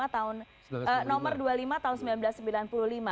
tahun nomor dua puluh lima tahun seribu sembilan ratus sembilan puluh lima